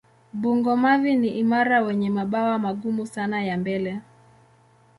Bungo-mavi ni imara wenye mabawa magumu sana ya mbele.